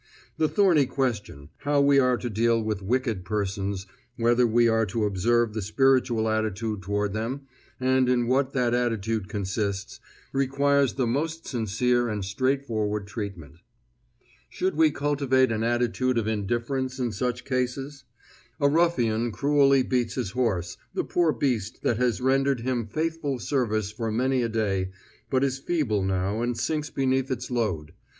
The thorny question, how we are to deal with wicked persons, whether we are to observe the spiritual attitude toward them, and in what that attitude consists, requires the most sincere and straightforward treatment. Should we cultivate an attitude of indifference in such cases? A ruffian cruelly beats his horse, the poor beast that has rendered him faithful service for many a day, but is feeble now and sinks beneath its load.